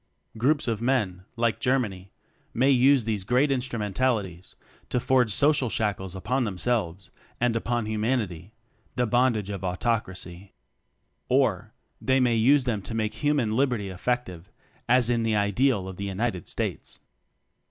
Groups of men (like Germany) may use these great instrumentalities to forge social shackles upon themselves, and upon Humanity the bondage of autocracy. Or, they may use them to make hu man Liberty effective, as is the ideal of the United States.